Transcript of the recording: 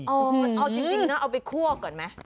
เอาจริงนะเอาไปคั่วก่อนไหม